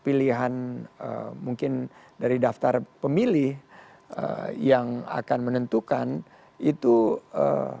pilihan mungkin dari daftar pemilih yang akan menentukan itu ee